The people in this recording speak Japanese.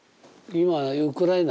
今ウクライナ？